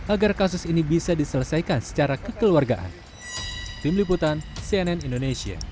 agar kasus ini bisa diselesaikan secara kekeluargaan